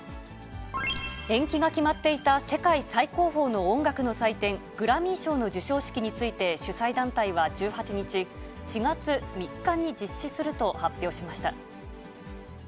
延期が決まっていた世界最高峰の音楽の祭典、グラミー賞の授賞式について、主催団体は１８日、４月３日に実施すると発表しました。